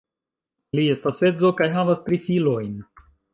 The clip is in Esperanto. Li estas edzo kaj havas tri filojn.